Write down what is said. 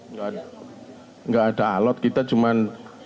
enggak ada alat kita cuman